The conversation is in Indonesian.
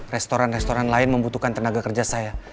restoran restoran lain membutuhkan tenaga kerja saya